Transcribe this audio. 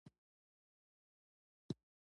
آیا په ژمي کې لاره خلاصه وي؟